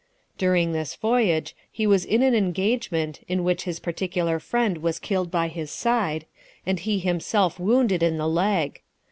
During this voyage, he was in an engagement, in which his particular friend was killed by his side, and he himself wounded in the leg.